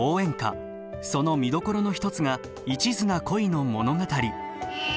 その見どころの一つが一途な恋の物語。